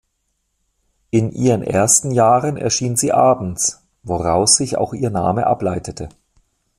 In ihren ersten Jahren erschien sie abends, woraus sich auch ihr Name ableitete.